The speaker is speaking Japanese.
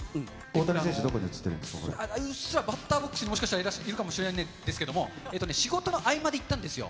大谷選手、うっすらバッターボックスに、もしかしたらいるかもしれないんですけれども、えっとね、仕事の合間で行ったんですよ。